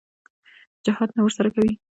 جهاد نه ورسره کوي.